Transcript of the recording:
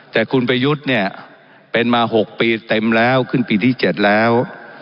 แต่คุณประยุทธ์เนี่ยเป็นมา๖ปีเต็มแล้วขึ้นปีที่๗แล้ว